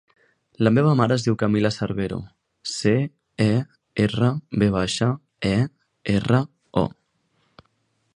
La meva mare es diu Camila Cervero: ce, e, erra, ve baixa, e, erra, o.